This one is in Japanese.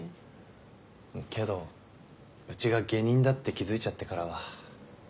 けどうちが下忍だって気付いちゃってからは。